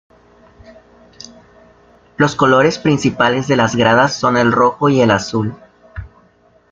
Los colores principales de las gradas son el rojo y el azul.